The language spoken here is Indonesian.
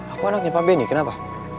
aku anaknya pak benny kenapa